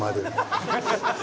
「ハハハハ！」